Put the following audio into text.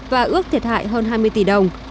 và ước thiệt hại hơn hai mươi tỷ đồng